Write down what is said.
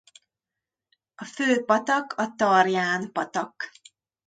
A fő patak a Tarján-patak.